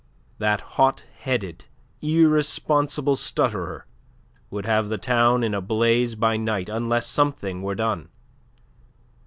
That hot headed, irresponsible stutterer would have the town in a blaze by night unless something were done.